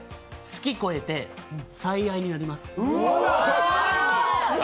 好きを超えて最愛になります。